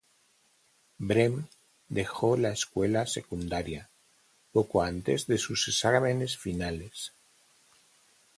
Brem dejó la escuela secundaria, poco antes de sus exámenes finales.